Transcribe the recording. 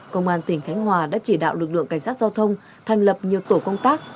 công an tỉnh khánh hòa đã chỉ đạo lực lượng cảnh sát giao thông thành lập nhiều tổ công tác